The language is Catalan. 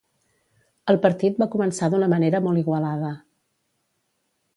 El partit va començar d'una manera molt igualada.